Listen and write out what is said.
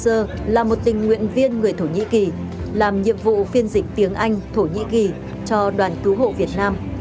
a e s r là một tình nguyện viên người thổ nhĩ kỳ làm nhiệm vụ phiên dịch tiếng anh thổ nhĩ kỳ cho đoàn cứu hộ việt nam